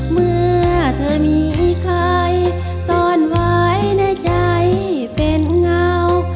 เมื่อเธอมีให้ใครซ่อนไว้ในใจเป็นเงา